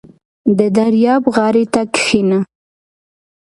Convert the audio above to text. • د دریاب غاړې ته کښېنه.